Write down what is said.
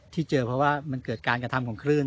ที่เจอเพราะว่ามันเกิดการกระทำของคลื่น